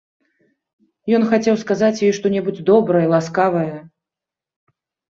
Ён хацеў сказаць ёй што-небудзь добрае, ласкавае.